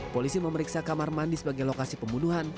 polisi memeriksa kamar mandi sebagai lokasi pembunuhan